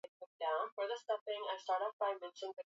Akaingiza mkono kwenye tundu alilokuwa ameweka akatoa vitu vyake